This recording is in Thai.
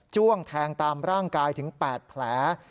้วงแทงตามร่างกายถึง๘แผล